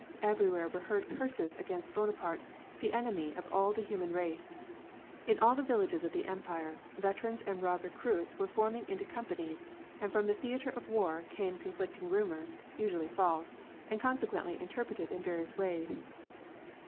Everywhere were heard curses against Bonaparte, the enemy of all the human race. In all the villages of the Empire, veterans and raw recruits were form ing into companies, and from the theatre of war came conflict ing rumors, usually false, and consequently interpreted in various ways.